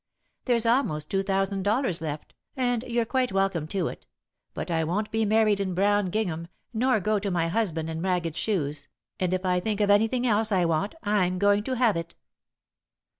There's almost two thousand dollars left, and you're quite welcome to it, but I won't be married in brown gingham nor go to my husband in ragged shoes, and if I think of anything else I want, I'm going to have it."